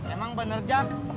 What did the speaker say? emang bener jam